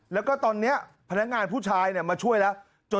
แล้วก็ตอนนี้พนักงานผู้ชายมาช่วยแล้ว